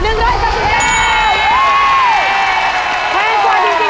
แพงกว่าจริงด้วย